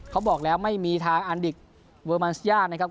เขาบอกแล้วไม่มีทางอันดิกเวอร์มันสย่านะครับ